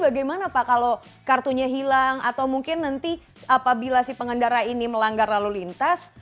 bagaimana pak kalau kartunya hilang atau mungkin nanti apabila si pengendara ini melanggar lalu lintas